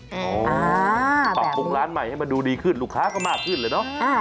ปรับปรุงร้านใหม่ให้มันดูดีขึ้นลูกค้าก็มากขึ้นเลยเนอะ